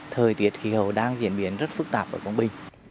thời tiết khí hậu đang diễn biến rất phức tạp ở quảng bình